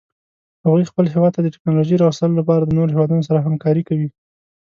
هغوی خپل هیواد ته د تکنالوژۍ راوستلو لپاره د نورو هیوادونو سره همکاري کوي